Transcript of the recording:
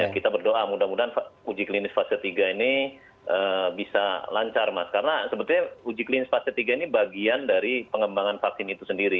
kita berdoa mudah mudahan uji klinis fase tiga ini bisa lancar mas karena sebetulnya uji klinis fase tiga ini bagian dari pengembangan vaksin itu sendiri